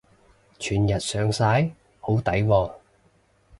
全日上晒？好抵喎